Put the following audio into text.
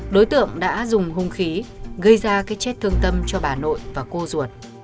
đối tượng đã dùng hung khí gây ra cái chết thương tâm cho bà nội và cô ruột